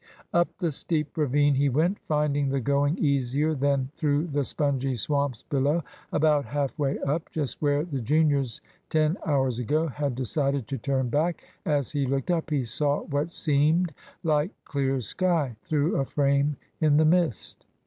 Up the steep ravine he went, finding the going easier than through the spongy swamps below. About half way up, just where the juniors ten hours ago had decided to turn back, as he looked up, he saw what seemed like clear sky through a frame in the mist.